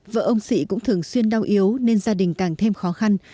vợ ông sị cũng thường xuyên đau yếu nên gia đình càng thêm khó khăn